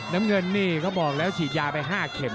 น้ำเงินนี่เขาบอกแล้วฉีดยาไป๕เข็ม